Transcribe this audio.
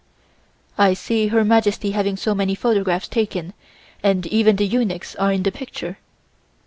"I see Her Majesty having so many photographs taken and even the eunuchs are in the picture."